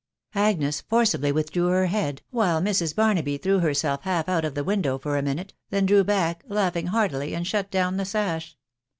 Agnes forcibly withdrew her head, while Mrs. Barnaby threw herself half out of the window for a minute, then drew back, laughing heartily, and shut down the sash.